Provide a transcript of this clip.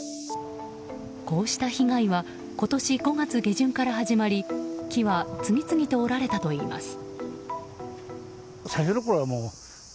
こうした被害は今年５月下旬から始まり木は次々に折られたといいます。